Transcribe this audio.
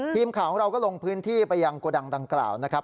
ทีมข่าวของเราก็ลงพื้นที่ไปยังโกดังดังกล่าวนะครับ